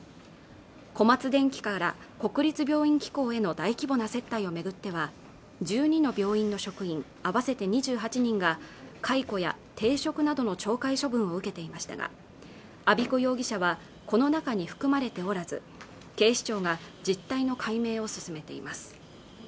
小松電器から国立病院機構への大規模な接待を巡っては１２の病院の職員合わせて２８人が解雇や停職などの懲戒処分を受けていましたが安彦容疑者はこの中に含まれておらず警視庁が実態の解明を進めています